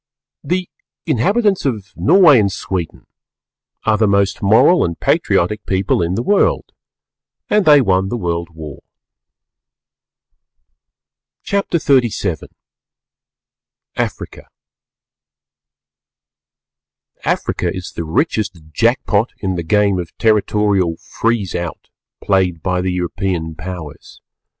The inhabitants of Norway and Sweden are the most Moral and Patriotic People in the World, and they won the World War. CHAPTER XXXVII AFRICA "The apparel oft proclaims the man." HAMLET. Africa is the richest "jack pot" in the game of territorial "freeze out" played by the European Powers.